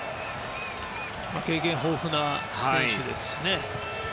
経験豊富な選手ですしね。